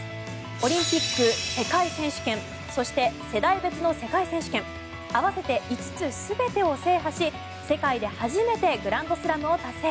オリンピック、世界選手権そして、世代別の世界選手権合わせて５つ全てを制覇し世界で初めてグランドスラムを達成。